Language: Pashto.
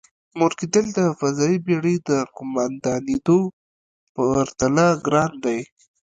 مور کېدل د فضايي بېړۍ د قوماندانېدو پرتله ګران دی.